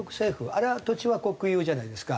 あれは土地は国有じゃないですか。